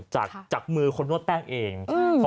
จากมือคนนวดแป้งเอง